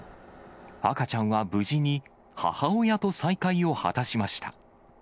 赤ちゃんは無事に母親と再会を果たしました。